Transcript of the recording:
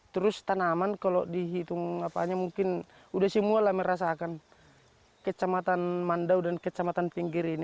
terus tanaman kalau dihitung mungkin udah semua lah merasakan kecamatan mandau dan kecamatan pinggir ini